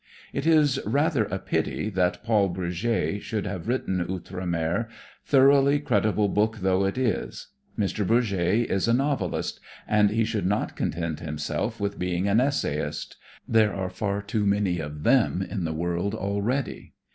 It is rather a pity that Paul Bourget should have written "Outre Mer," thoroughly creditable book though it is. Mr. Bourget is a novelist, and he should not content himself with being an essayist, there are far too many of them in the world already.